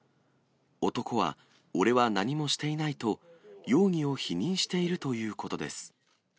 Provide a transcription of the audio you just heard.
男は俺は何もしていないと、容疑を否認しているということです。